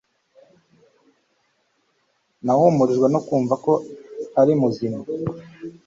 nahumurijwe no kumva ko ari muzima